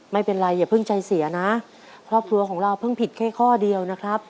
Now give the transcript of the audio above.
ไม่เป็นไรอย่าเพิ่งใจเสียนะครอบครัวของเราเพิ่งผิดแค่ข้อเดียวนะครับ